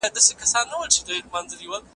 رسول الله له ښځو سره چيرته ملاقات وکړ؟